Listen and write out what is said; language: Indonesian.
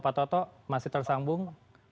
pak toto masih tersambung